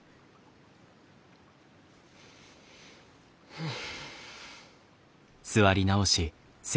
うん。